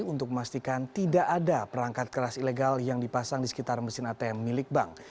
untuk memastikan tidak ada perangkat keras ilegal yang dipasang di sekitar mesin atm milik bank